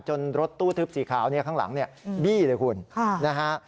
รถตู้ทึบสีขาวเนี่ยข้างหลังเนี่ยบี้เลยคุณนะฮะ